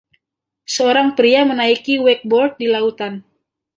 Seorang pria menaiki wakeboard di lautan.